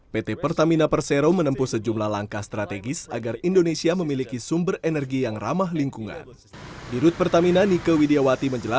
pertamina pertamina pertamina